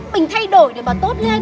mình thay đổi để bà tốt lên